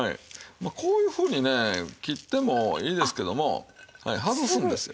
まあこういうふうにね切ってもいいですけども外すんですよ。